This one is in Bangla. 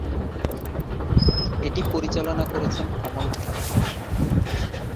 এটি পরিচালনা করেছেন কমল খান।